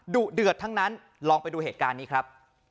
ดุเดือดทั้งนั้นลองไปดูเหตุการณ์นี้ครับ